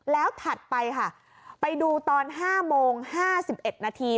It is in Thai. แล้วถัดไปค่ะไปดูตอน๕โมง๕๑นาที